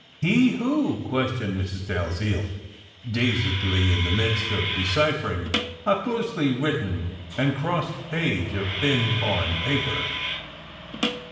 "He who?" questioned Mrs. Dalziel dazedly in the midst of deciphering a closely written and crossed page of thin foreign paper.